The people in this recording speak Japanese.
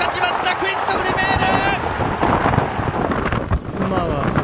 クリストフ・ルメール。